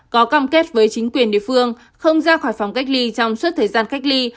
có cam kết với chính quyền địa phương không ra khỏi phòng cách ly trong suốt thời gian cách ly